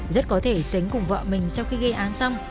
rất có thể sánh cùng vợ mình sau khi gây án xong